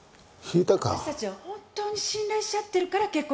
「私たちは本当に信頼し合ってるから結婚したの」